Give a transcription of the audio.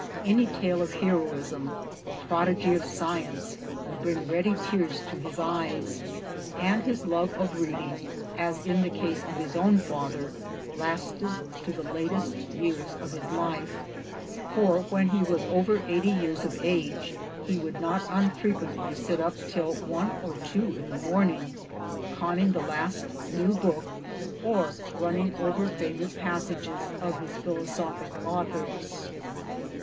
Any tale of heroism, or prodigy of science would bring ready tears to his eyes ; and his love of reading as in the case of his own father lasted to the latest year of his life ; for when he was over eighty years of age he would not unfre~ quently sit up till one or two in the morning, conning the last new book or running over favorite passages of his philosophical authors.